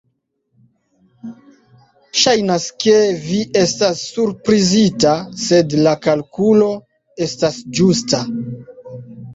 Ŝajnas, ke vi estas surprizita, sed la kalkulo estas ĝusta.